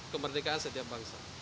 kemerdekaan setiap bangsa